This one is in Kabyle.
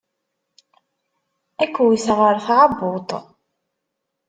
Ad k-wteɣ ar tɛebbuḍt.